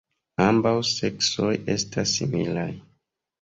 Ambaŭ seksoj estas similaj.